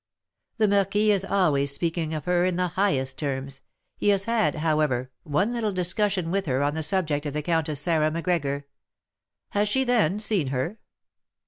"The marquis is always speaking of her in the highest terms; he has had, however, one little discussion with her on the subject of the Countess Sarah Macgregor." "Has she, then, seen her?"